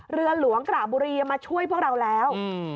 เรือหลวงกระบุรีมาช่วยพวกเราแล้ว